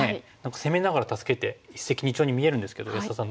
攻めながら助けて一石二鳥に見えるんですけど安田さん